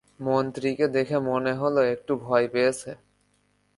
মন্ত্রীকে দেখে মনে হলো একটু ভয় পেয়েছে।